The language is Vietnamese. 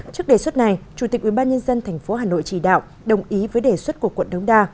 trước đề xuất này chủ tịch ubnd tp hà nội chỉ đạo đồng ý với đề xuất của quận đống đa